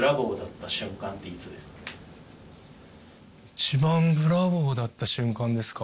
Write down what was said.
一番ブラボーだった瞬間ですか。